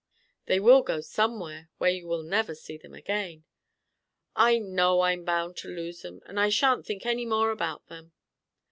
"They will go somewhere where you will never see them again." "I know I'm bound to lose 'em, and I shan't think any more about them."